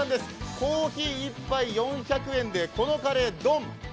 コーヒー１杯４００円でこのカレー、ドン！